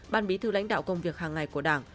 ban bí thư lãnh đạo công việc hàng ngày của đảng